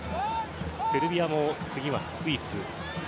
セルビアも次はスイス。